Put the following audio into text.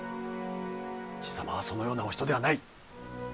爺様はそのようなお人ではない。